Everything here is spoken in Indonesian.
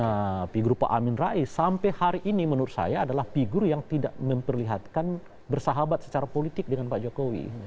nah figur pak amin rais sampai hari ini menurut saya adalah figur yang tidak memperlihatkan bersahabat secara politik dengan pak jokowi